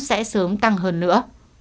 sẽ sớm tăng hơn nữa